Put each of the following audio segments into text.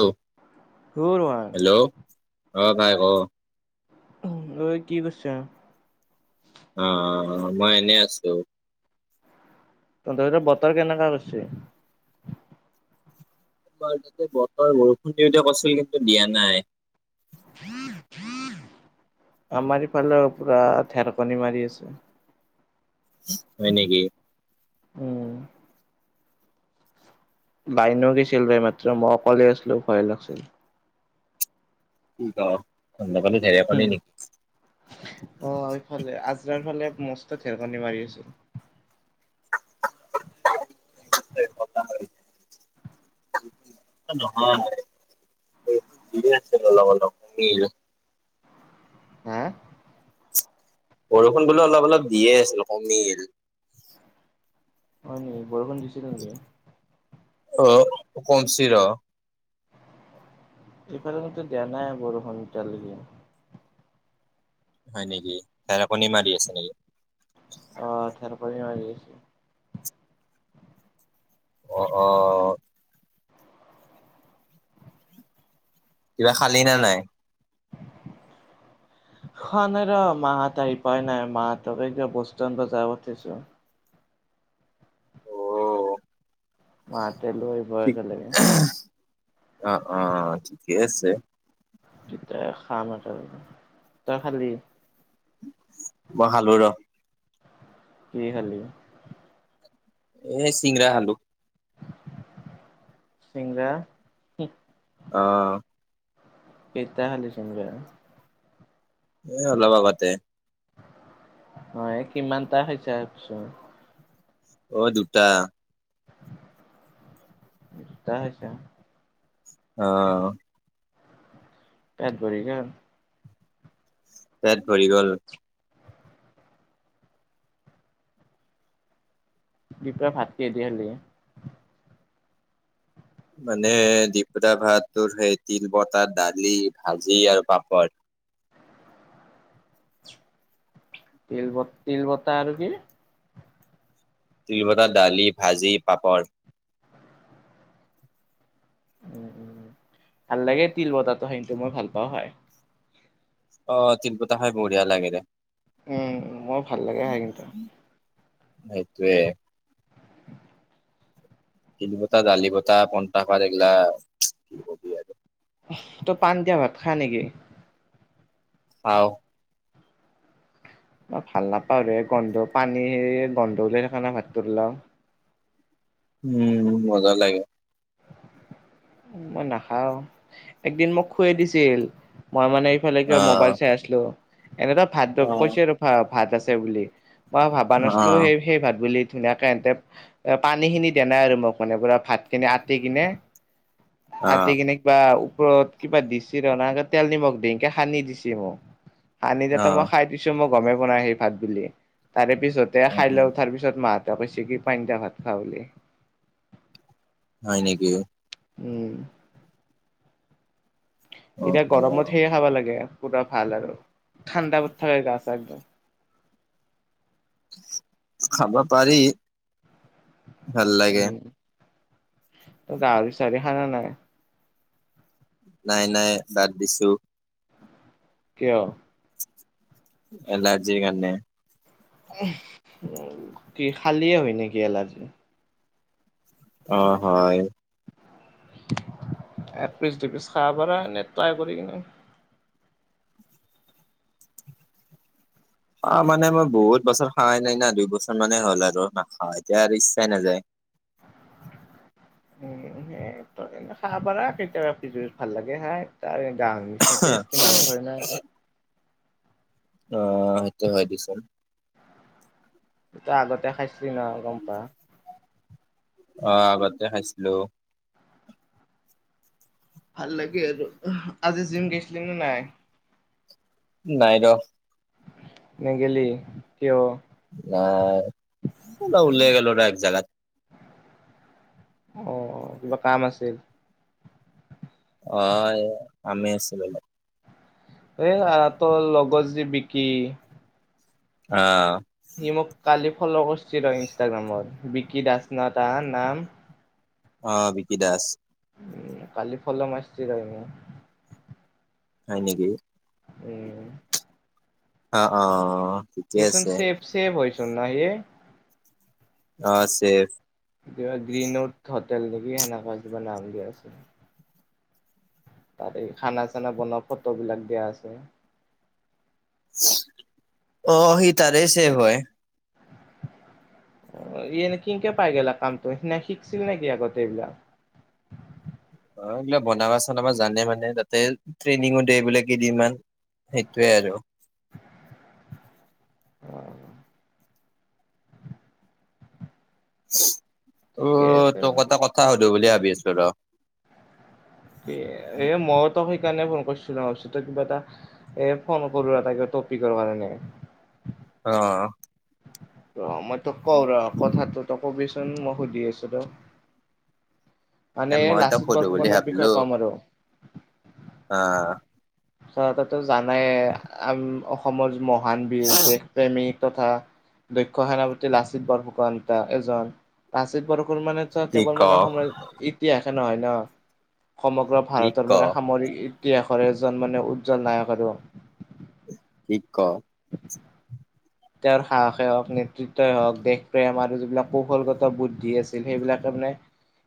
অ', কৰ হয়? হেল্ল' অ' ভাই ক'। ঐ' কি' কৰিছা? অ, অ, মই এনেই আছো। তহঁতৰ বতৰ কেনেকা কৰিছে? আমাৰ তাতে বতৰ বৰষুণ দিওঁ দিওঁ কৰিছিল কিন্তু দিয়া নাই। আমাৰ ইফালে পুৰা ধেৰকণি মাৰি আছে। হয় নেকি। উম। বাইদিও গৈছিল ৰে এইমাত্ৰ মই অকলে আছিলো ভয় লাগিছিল। [unintelligible] তহতৰ খেইফলে ধেৰকণি নেকি? অ', এইফালে আজাৰ ফালে মস্ত ধেৰকণী মাৰি আছে। [unintelligible] [unintelligible] এনে আছোঁ লগৰ লগ [unintelligible] হা' বৰষুণ বোলো অলপ অলপ দিয়ে আছিল কমিল। হয়', নেকি বৰষুণ দিছিলে নেকি? অ', কমচি ৰ'। এইফালে দিয়া নাই বৰষুণ এতিয়ালৈকে। হয়', নেকি ধেৰেকণি মাৰি আছে নেকি? অ', ধেৰকণি মাৰি আছে। অ', অ', কিবা খালি নে নাই? [unintelligible] খোৱা নাই ৰ মাহঁত আহি পোৱাই নাই মাহঁতকে এইটো বস্তু আনিব যাব পঠিইছো। অ মাহতে লৈ ব' ঠিক একেলগে। অ', অ', ঠিকেই আছে। তেতিয়া খাম আৰু, তই খালি? মই খালো ৰ'। কি খালি? এই চিংগৰা খালোঁ। চিংৰা। অ', কেইটা খালি চিংৰা। এ' অলপ আগতে। হয় কিমানটা খাইছা পিছে। অ দুটা। দুটা খাইছা। অ', পেট ভৰি গ'ল। পেট ভৰি গ'ল। দুপৰীয়া ভাত কিহে দি খালি? মানে দুপৰীয়া ভাত তোৰ সেই তিলপতাত, দালি, ভাজি আৰু পাপৰ। তিল ব তিল বটা আৰু কি? তিল বটা দালি ভাজি পাপৰ। উম উম ভাল লাগে তিল বটাটো সেইটো মই ভাল পাওঁ হয়। অ তিলবটা খাই বঢ়িয়া লাগে দে। উম মোৰ ভাল লাগে খাই কিন্তু। সেইটোৱেই। তিল বটা দালি বটা পন্থা ভাত এইগিলা আৰু তই পান দিয়া ভাত খাই নেকি? খাওঁ। মই ভাল নাপাওঁ ৰে গন্ধ পানী সেই গন্ধ ওলাই সেইকাৰণে নে ভাতটো ওলাওঁ। উম মজ্জা লাগে। মই নাখাও একদিন মোক খুৱেই দিছিল মই মানে সিফালে অ কিবা মোবাইল চাই আছিলোঁ এনেকুৱা ভাত অ কৈছে আৰু ভা ভাত আছে বুলি। মই ভাবা অ নাছলো সেই সেই ভাত বুলি। ধুনীয়াকে এন্তে পানী খিনি দে নাই আৰু মোক মানে পুৰা ভাতখিনি আটি কিনে অ অ আতি কেনে কিবা ওপৰত কিবা দিছিল ৰে তেল নিমখ দিকে সানি দিছি মোক। সানি অ যাতে মই খাই দিছো মই গমেই পোৱা নাই সেই ভাত বুলি তাৰে পিছতে খাই অ লৈ উঠাৰ পিছত মা তাৰ পিছত কি পান্টা ভাত খাওঁ বুলি। হয় নেকি? উম। অ এতিয়া অ গৰমত সেইয়ে খাব লাগে পুৰা ভাল আৰু ঠাণ্ডা কৰি থাকে গা চা একদম। খাব পাৰি। ভাল লাগে উম। তই গাহৰি চাহৰি খাওঁ নে নাই? নাই নাই বাদ দিছোঁ। কিয়? এলাৰ্জি ৰ কাৰণে। উহ হু কি খালিয়ে হয় নেকি এলাৰ্জি? অ হয়। এ পিচ দু পিচ খাব পাৰ নে ট্ৰাই কৰি কিনে। অ মানে মই বহুত বছৰ খাৱা নাই না দুই বছৰ মানে হ'ল আৰু নাখাওঁ এতিয়া আৰু ইচ্ছাই নাজাই। উম সেই তই এনে খাবা পাৰা কেতিয়াবা ভাল লাগে খাই। তাৰে গাহৰিৰ নিচিনা টেষ্টি মাংসই নাই। অ সেইটো হয় পিছে। তই আগতে খাইছিলি ন গম পাওঁ। অ আগতে খাইছিলোঁ। ভাল লাগে আৰু আজি জিম গেইছিলি নে নাই? নাই ৰ। নেগেলি কিয়? আহ এই অলপ উলাই গলো ৰ এক জাগাত। অ কিবা কাম আছিল? অ এয়া কামেই আছিল অলপ। এই আ তৰ লগৰ যি বিকি অ। সি মোক কালি ফ'ল কৰিছিল ৰ ইনষ্টাগ্ৰামত বিকি দাস না তাৰ নাম। অ বিকি দাস। উম কালি ফ'ল' মাৰছি তাই মোক। হয় নেকি? উম। অঁ অহ। সিচোন চেফ চেফ হয় চোন ন সি? অঁ চেফ। কিবা গ্ৰীণ উথ হোটেল নেকি, সেনেকুৱা কিবা নাম দিয়া আছে। তাত, এই খানা চানা বনোৱা ফটো বিলাক দিয়া আছে। অ', সি তাৰে ছেফ হয়। অ', ই এনে কিনকে পায় গেলা কামটো সি নে শিকছিল নেকি আগতে এইবিলাক? অ', এইবিলাক বনাবা চনাবা জানে মানে, তাতে ট্ৰেইনিঙো দিয়ে বোলে কেইদিনমান। সেইটোৱে আৰু। অ উ, ঠিকে আছে তোক বাৰু। এটা কথা সুধো বুলি ভাবি আছো ৰ। এ, এ মই তোক সেইকাৰণে ফোন কৰিছিলো অঁ তই কিবা এটা এ, ফোন কৰো এটা কিবা টপিকৰ কাৰণে। অঁ। অ', মই তোক কওঁ ৰ, কথাটো তই কবিচোন, মই সুধি আছোঁ ৰ। এ মানে, মই তোক লাচিত সুধো বুলি বৰফুকনৰৰ বিষয়ে কম আৰু। আ। ধৰা তই তো জানাইয়ে আম অসমৰ মহান বীৰ, দেশ প্ৰেমিক তথা দক্ষ সেনাপতি, লাচিত বৰফুকন্তা এজন লাচিত বৰফুৰ মানে কি কেৱল ক মানে, অসমৰ ইতিহাসে নহয় ন', সমগ্ৰ কি ভাৰতৰ মানে সামৰিক ইতিহাসৰে এজন মানে, উজ্জ্বল নায়ক আৰু। [unintelligible] তেওঁৰ সাহসে হওঁক, নেতৃত্বই হওঁক, দেশ প্ৰেম আৰু যিবিলাক কৌশলগত বুদ্ধি আছিল সেইবিলাকে মানে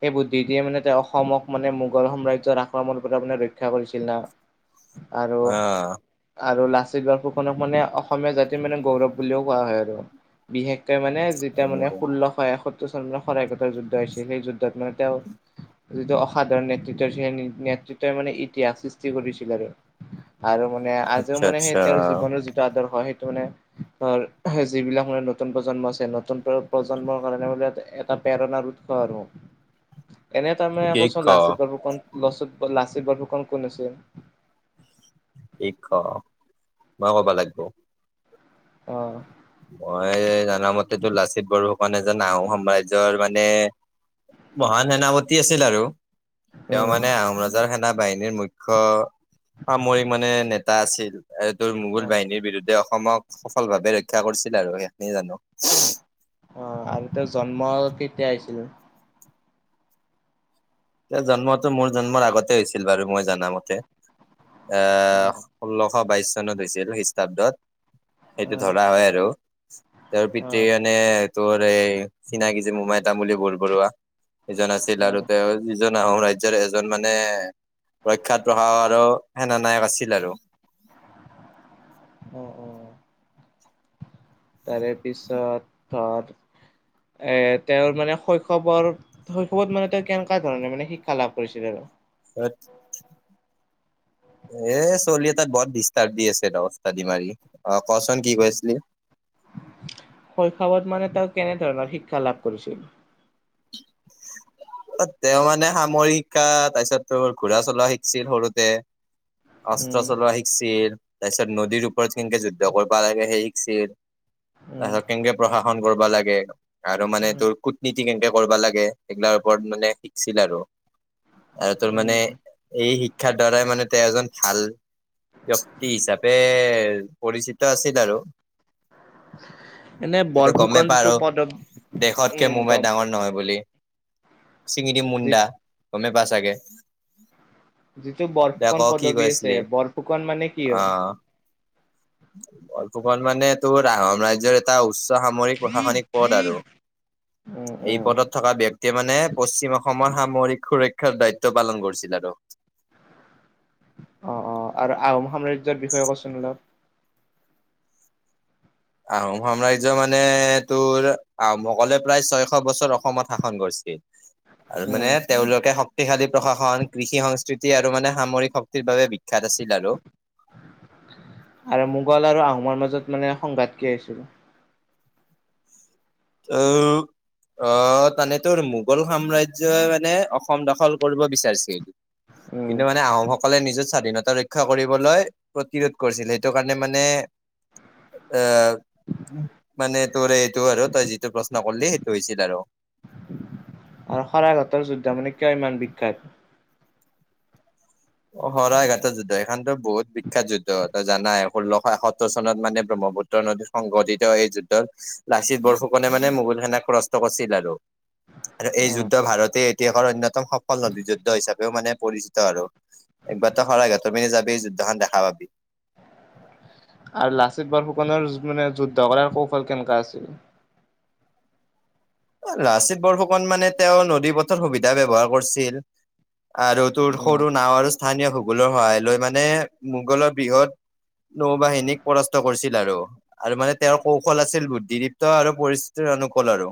সেই বুদ্ধিদিয়ে মানে, তেওঁ অসমক মানে, মোগল সাম্ৰাজ্যৰ আক্ৰমণৰ পৰা ৰক্ষা কৰিছিল না। আৰু, আহ আৰু লাচিত বৰ ফুকনক মানে, অসমীয়া জাতিৰ মানে গৌৰৱ বুলিও কোৱা হয় আৰু, বিশেষকে মানে যেতিয়া মানে এনেকে ষোল্লশ এসত সত্তৰ চন মানে, শৰাইঘাটৰ যুদ্ধ হৈছিলে, সেই যুদ্ধত মানে তেওঁ যিটো অসাধাৰণ নেতৃত্বে দিছিল সেই নেতৃত্বই মানে, ইতিহাস সৃষ্টি কৰিছিল আৰু। আৰু মানে, আজিও আচ্ছা মানে, আচ্ছা সেই তেওঁৰ জীৱনৰ যিটো আদৰ্শ সেইটো মানে ধৰ যিবিলাক মানে, নতুন প্ৰজন্ম আছে, নতুন প্ৰ প্ৰজন্মৰ কাৰণে বোলে এটা প্ৰেৰণাৰ উৎ স আৰু। এনে তাৰমানে, ক চোন লাচিত বাৰফুকন লচিত লাচিত বাৰফুকন কোন আছিল? কি ক? মই কবা লাগব। অহ। মই জনা মতেতো লাচিত বৰফুকন এজন আহোম সাম্ৰাজ্যৰ মানে মহান সেনাপতি আছিল আৰু। তেওঁ উম মানে আহোম ৰজাৰ সেনা বাহিনীৰ মুখ্য সামৰিক মানে নেত টা আছিল এ তোৰ মোগল অ। বাহিনীৰ বিৰুদ্ধে অসমক সফল ভাৱে ৰক্ষ ৰক্ষা কৰিছিল আৰু সেইখিনিয়ে জানো। অ', আৰু তেওঁৰ জন্ম কেতিয়া হৈছিল? তেওঁৰ জন্মটো, মোৰ জন্মৰ আগতে হৈছিল বাৰু মই জনামতে, অ আহ ষোল্লশ বাইশ চনত হৈছিল, খ্ৰীষ্টাব্দত অ সেইটো ধৰা হয় আৰু। তেওঁৰ অ পিতৃ মানে, তোৰ এই চিনাকি যে মোমাই তামূলী বৰ বৰুৱা। যিজন আছিল আৰু তেওঁ যিজন আহোম ৰাজ্যৰ এজন মানে প্ৰখ্যাত প্ৰশাসক আৰু সেনা নায়ক আছিল আৰু। অ' অ'। তাৰে পিছত ধৰ, এ তেওঁৰ মানে শৈশৱৰ শৈশৱত মানে তেওঁ কেনেকুৱা ধৰণৰ মানে শিক্ষা লাভ কৰিছিলে? [unintelligible] [inaudible] এ চলি এটা বৰ ডিষ্টাৰ্ব দি আছে ৰ অস্তাদি মাৰি, অ' ক চোন কি কৈ আছিলি। শৈশৱত মানে তেওঁ কেনেধৰণৰ শিক্ষা লাভ কৰিছিল? [inaudible] তেওঁ মানে সামৰিক শিক্ষা, তাৰপিছত তোৰ ঘোঁৰা চলোৱা শিকিছিল সৰুতে। অস্ত্ৰ উম চলোৱা শিকিছিল, তাৰপিছত নদীৰ ওপৰত কেনেকে যুদ্ধ কৰিব লাগে সেই শিকিছিল উম তাৰপিছত কেনেকে প্ৰশাসন কৰিব লাগে আৰু মানে উম তোৰ কুটনীতি কেন কৰিব লাগে, সেইগিলাৰ ওপৰত মানে শিকিছিল আৰু, আৰু তোৰ উম মানে এই শি শিক্ষাৰ দ্বাৰাই মানে তেওঁ এজন ভাল ব্যক্তি হিচাপে পৰিচিত আছিল আৰু। এনে ত‌ইটো বৰফুকন গমেই পাৱ যিটো আৰু, পদব দেশতকে উম মোমাই গম পা ডাঙৰ নহয় বুলি, চিঙি দিম যি মুণ্ডা, গমেই পাৱ চাগে? যিটো দে ক বৰফুকন কি কৈ পদবী আছে, আছিলি বৰফুকন মানে কি হয়? বৰফুকন মানে তোৰ আহোম ৰাজ্যৰ এটা উচ্চ সামৰিক প্ৰশাসনিক পদ আৰু। উম এই উম পদত থকা ব্যক্তিয়ে মানে পশ্চিম অসমৰ সামৰিক সুৰক্ষাৰ দায়িত্ব পালন কৰিছিল আৰু। অ' অ', আৰু আহোম সাম্ৰাজ্যৰ বিষয়ে ক চোন অলপ। আহোম সাম্ৰাজ্য মানে তোৰ, আহোম অকলে প্ৰায় ছয়শ বছৰ অসমত শাসন কৰিছিল। [inaudible] আৰু মানে তেওঁলোকে শক্ ক্তিশালী প্ৰশাসন, কৃষি-সংস্কৃতি আৰু মানে সামৰিক শক্তিৰ বাবে বিখ্যাত আছিল আৰু। আৰু মোগল আৰু আহোমৰ মাজত মানে সংঘাত কিয় হৈছিল? [inaudible] অ', তাৰমানে তোৰ মোগল সাম্ৰাজ্যই মানে অসম দখল কৰিব বিচাৰিছিল। উম, কিন্তু মানে আহোমসক সকলে নিজৰ স্বাধীনতা ৰক্ষা কৰিবলৈ প্ৰতিৰোধ কৰিছিল, সেইটো কাৰণে মানে এ, মানে তোৰ এইটো আৰু তই যিটো প্ৰশ্ন কৰ্‌লি সেইটো হৈছিল আৰু। আৰু শৰাইঘাটৰ যুদ্ধ মানে কিয় ইমান বিখ্যাত? অ', শৰাইঘাটৰ যুদ্ধ, সেইখনতো বহুত বিখ্যাত যুদ্ধ, তই জানাই, ষোল্লশ এসত্তৰ চনত মানে ব্ৰহ্মপুত্ৰ ত্ৰ নদীত সংঘটিত এই যুদ্ধত লাচিত বৰফুকনে মানে মোগল সেনাক প্ৰৰাস্ত কৰিছিল আৰু। [inaudible] আৰু এই উম, যুদ্ধ ভাৰতীয় ইতিহাসৰ অন্যতম সফল নদী যুদ্ধ হিচাপেও মানে পৰিচিত আৰু। একবাৰ ত‌ই শৰাইঘাটৰ পিনে যাবি, যুদ্ধখন দেখা পাবি। আৰু লাচিত বৰফুকনৰ মানে যুদ্ধ কৰাৰ কৌশল কেনেকা আছিল? এই লাচিত বৰফুকন মানে তেওঁ নদী পথৰ সুবিধা ব্যৱহাৰ কৰিছিল। আৰু তোৰ উম, সৰু নাঁৱৰ আৰু স্থানীয় ভূগোলৰ সহায় লয়, মানে মোগলৰ বৃহৎ নৌ-বাহিনীক পৰাস্ত কৰিছিল আৰু। আৰু মানে তেওঁৰ কৌশল আছিল বুদ্ধিদীপ্ত আৰু পৰিস্থিতিৰ অনুকুল আৰু।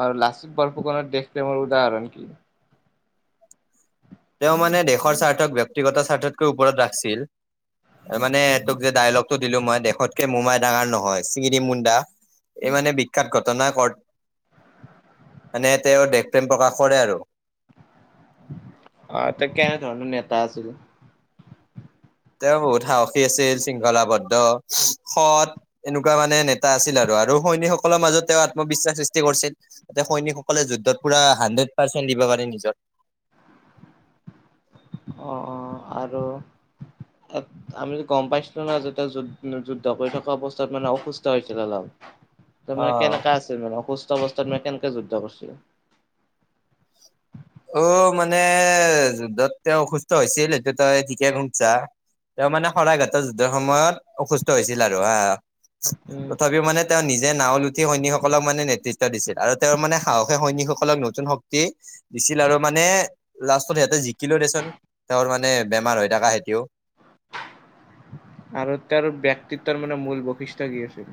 আৰু লাচিত বৰফুকত দেশপ্ৰেমৰ উদাহৰণ কি? তেওঁ মানে দেশৰ স্বাৰ্থক ব্যক্তিগত স্বাৰ্থতকৈ ওপৰত ৰাখছিল। এ, মানে তোক যে ডাইলগটো দিলো মই, 'দেশতকে মোমাই ডাঙৰ নহয়, চিঙি দিম মুণ্ডা'। এই মানে বিখ্যাত ঘটনা কৰ, মানে তেওঁ দেশ প্ৰেম প্ৰকাশ কৰে আৰু। অ', তেওঁ কেনেধৰণৰ নেতা আছিল? তেওঁ বহুত সাহসী আছিল, শৃংখলাবদ্ধ, সৎ। এনেকুৱা মানে নেতা আছিল আৰু আৰু সৈনিকসকলৰ মাজত তেওঁ আত্মবিশ্বাস সৃষ্টি কৰিছিল। যাতে সৈনিকসকলে যুদ্ধত পুৰা হাড্ৰেড পাৰ্চেণ্ট দিব পাৰে নিজৰ। অ' অ' আৰু [inaudible] আমিতো গম পাইছিলো ন', যেতিয়া যু-যুদ্ধ কৰি থকা অৱস্থাত মানে অসুস্থ হৈছিল অলপ। তোৰ মানে অ কেনেকা আছিল মানে, অসুস্থ অৱস্থাত মানে কেনেকে যুদ্ধ কৰিছিল? অ', মানে যুদ্ধত তেওঁ অসুস্থ হৈছিল, সেইটো তই ঠিকে শুনছা। তেওঁ মানে শৰাইঘাটৰ যুদ্ধৰ সময়ত অসুস্থ হৈছিল আৰু হা, উম, তথাপিও মানে তেওঁ নিজে নাও লৈ উঠি সৈনিকসকলক মানে নেতৃত্ব দিছিল আৰু তেওঁৰ মানে সাহসে সৈনিকসকলক নতুন শক্তি দিছিল আৰু মানে, লাষ্টত সিহঁতে জিকিলো দেচোন, তেওঁৰ মানে বেমাৰ হৈ থাকা হেতিও। আৰু তেওঁৰ ব্যক্তিত্বৰ মানে মূল বৈশিষ্ট কি আছিল?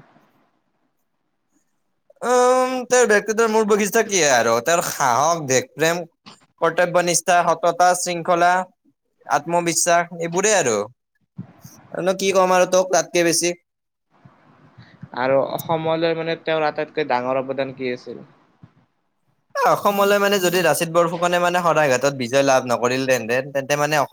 উম', তেওঁৰ ব্যক্তিতৰ মূল বৈশিষ্ট্য কি আৰু তেওঁৰ সাহস দেশ প্ৰেম। কৰ্তব্য নিষ্ঠা, সততা, শৃংখলা। আত্মবিশ্বাস এইবোৰেই আৰু আৰু নো কি কম আৰু তোক তাতকে বেছি। আৰু অসমলৈ মানে তেওঁৰ আটাইতকৈ ডাঙৰ অৱদান কি আছিল? এ, অসমলৈ মানে যদি লাচিত বৰফুকনে মানে শৰাই ঘাটত বিজয় লাভ নকৰিল তেনতেন, তেন্তে মানে অ